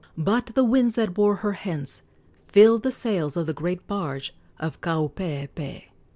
But the winds that bore her hence filled the sails of the great barge of Kaupeepee.